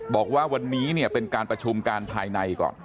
บอกว่าวันนี้เนี่ยเป็นการประชุมการภายในก่อน